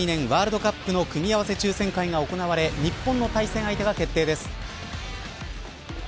ワールドカップの組み合わせ抽選会が行われ日本の対戦相手が決定です。